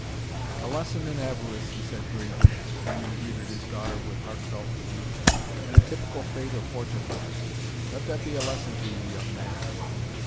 "A lesson in avarice," he said gravely, when he had greeted his daughter with heartfelt relief. "And a typical fate of fortune hunters! Let that be a lesson to you, young man."